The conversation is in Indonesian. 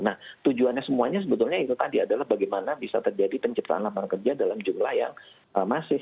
nah tujuannya semuanya sebetulnya itu tadi adalah bagaimana bisa terjadi penciptaan lapangan kerja dalam jumlah yang masif